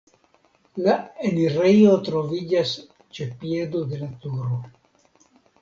La enirejo troviĝas ĉe piedo de la turo.